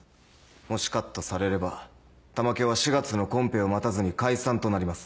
もしカットされれば玉響は４月のコンペを待たずに解散となります。